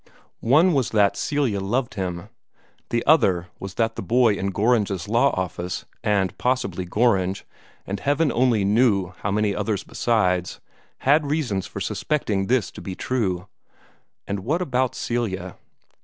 One was that Celia loved him. The other was that the boy in Gorringe's law office, and possibly Gorringe, and heaven only knew how many others besides, had reasons for suspecting this to be true. And what about Celia?